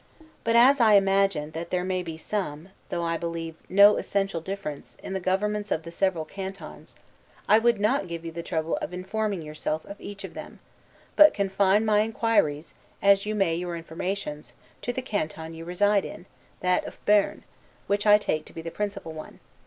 But as I imagine that there may be some, though, I believe, no essential difference, in the governments of the several Cantons, I would not give you the trouble of informing yourself of each of them; but confine my inquiries, as you may your informations, to the Canton you reside in, that of Berne, which I take to be the principal one.